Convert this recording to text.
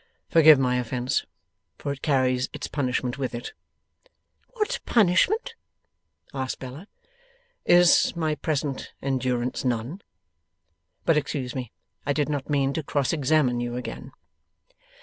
Forgive my offence, for it carries its punishment with it.' 'What punishment?' asked Bella. 'Is my present endurance none? But excuse me; I did not mean to cross examine you again.